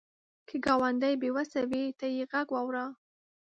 که ګاونډی بې وسه وي، ته یې غږ واوره